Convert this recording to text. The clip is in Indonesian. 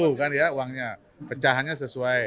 cukup dulu kan ya uangnya pecahannya sesuai